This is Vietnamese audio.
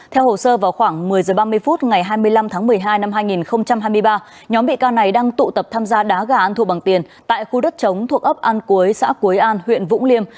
theo hồ sơ vào khoảng một mươi h ba mươi phút ngày hai mươi năm tháng một mươi hai năm hai nghìn hai mươi ba nhóm bị can này đang tụ tập tham gia đá gà ăn thua bằng tiền tại khu đất chống thuộc ấp an cúi xã cúi an huyện vũng liêm